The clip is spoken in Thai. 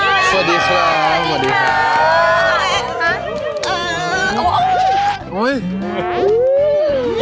สวัสดีครับ